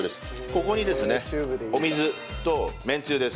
ここにですねお水とめんつゆです。